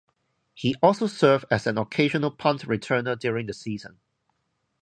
He also served as an occasional punt returner during the season.